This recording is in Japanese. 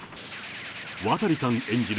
渡さん演じる